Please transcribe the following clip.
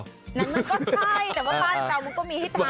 แต่มันก็ใช่แต่ว่าบ้านเรามันก็มีให้ทาน